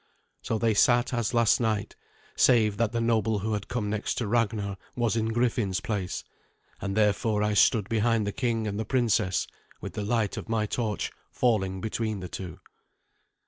So they sat as last night, save that the noble who had come next to Ragnar was in Griffin's place; and therefore I stood behind the king and the princess, with the light of my torch falling between the two.